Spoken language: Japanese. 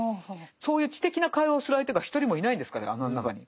そういう知的な会話をする相手が一人もいないんですから穴の中に。